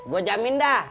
gua jamin dah